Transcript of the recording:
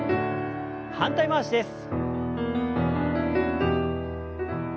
反対回しです。